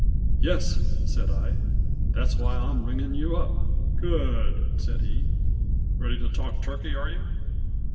"Yes," said I. "That's why I am ringing you up." "Good!" said he. "Ready to talk turkey, are you?"